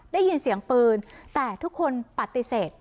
ได้ยินเสียงปืนแต่ทุกคนปฏิเสธ